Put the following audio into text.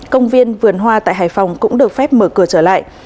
công viên vườn hoa tại hải phòng cũng được phép mở cửa trở lại